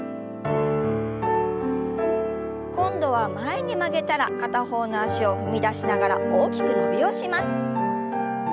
今度は前に曲げたら片方の脚を踏み出しながら大きく伸びをします。